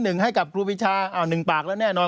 ให้กับครูปีชาอ้าวหนึ่งปากแล้วแน่นอน